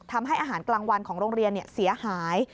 ทำให้อาหารกลางวันของโรงเรียนเสียหาย